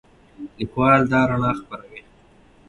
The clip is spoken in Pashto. لیکوال دا رڼا خپروي.